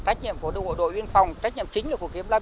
tác nhiệm của đội biên phòng tác nhiệm chính của kiếm lâm